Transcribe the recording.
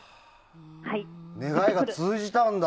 願いが通じたんだ！